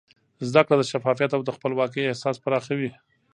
زده کړه د شفافیت او د خپلواکۍ احساس پراخوي.